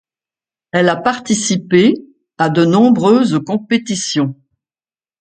Elle a participé à de nombreuses compétitions.